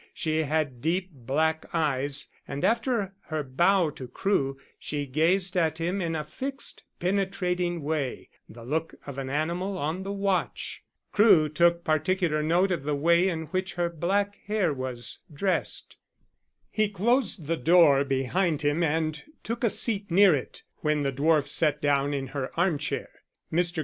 She had deep black eyes, and after her bow to Crewe she gazed at him in a fixed penetrating way the look of an animal on the watch. Crewe took particular note of the way in which her black hair was dressed. He closed the door behind him and took a seat near it when the dwarf sat down in her arm chair. Mr.